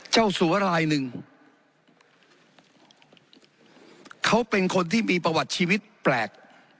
สัวรายหนึ่งเขาเป็นคนที่มีประวัติชีวิตแปลก